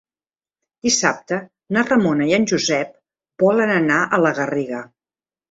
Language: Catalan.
Dissabte na Ramona i en Josep volen anar a la Garriga.